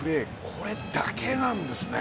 これだけなんですね。